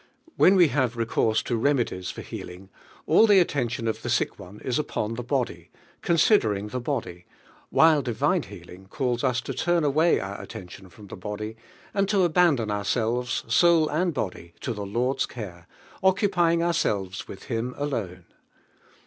When we have recourse to remedies for healing, all the attention of the sick one is upon the body, considering the body, while divine healing calls us to Miru away our attention from the body and to abandon nnraeivos soul and bodv DIVIDE U1HALING. 89 to the Lord's care, occupying ourselves with Him alone.